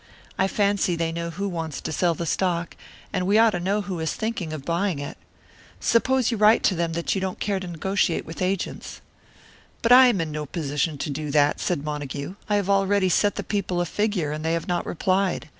"I fancy they know who wants to sell the stock, and we ought to know who is thinking of buying it. Suppose you write them that you don't care to negotiate with agents." "But I am in no position to do that," said Montague. "I have already set the people a figure, and they have not replied.